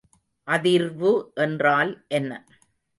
அதிர்வு என்றால் என்ன?